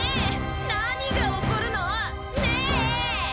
何が起こるの？ねえ！